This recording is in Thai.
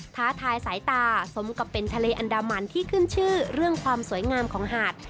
ท้าทายสายตาสมกับเป็นทะเลอันดามันที่ขึ้นชื่อเรื่องความสวยงามของหาด